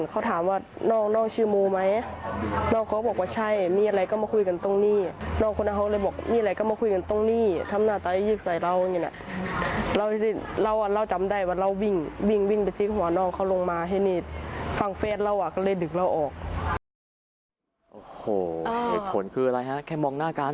ค่ะสาเหตุแค่นี้นี่แหละชาวเน็ตก็วิจารณ์กันเยอะนะครับ